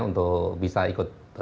untuk bisa ikut